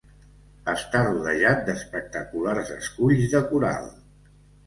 Està rodejat d'espectaculars esculls de coral.